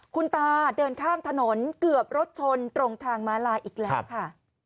คุณตาเดินข้ามถนนเกือบรถชนตรงทางม้าลายอีกแล้วค่ะ